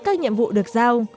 các nhiệm vụ được giao